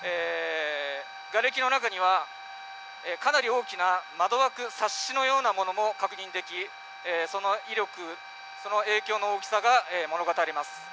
がれきの中にはかなり大きな窓枠、サッシのようなものも確認できその威力、その影響の大きさが物語ります。